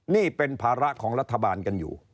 นี่เป็นภาระของรัฐบาลกันอยู่